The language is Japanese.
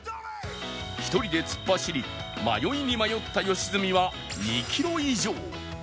１人で突っ走り迷いに迷った良純は２キロ以上